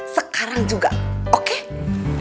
sekarang juga oke